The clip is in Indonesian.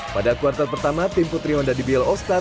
pada kuartal pertama tim putri honda dbl all star